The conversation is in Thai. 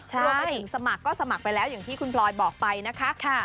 รวมไปถึงสมัครก็สมัครไปแล้วอย่างที่คุณพลอยบอกไปนะคะ